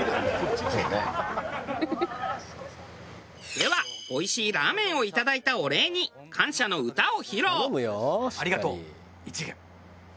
ではおいしいラーメンをいただいたお礼に感謝の歌を披露。